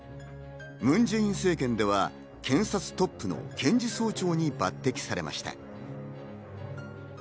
ムン・ジェイン政権では検察トップの検事総長に抜てきされました。